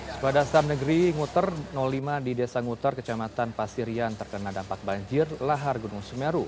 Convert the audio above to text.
sekolah dasar negeri nguter lima di desa nguter kecamatan pasirian terkena dampak banjir lahar gunung semeru